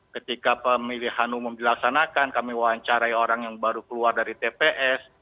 ketika pemilihan umum dilaksanakan kami wawancarai orang yang baru keluar dari tps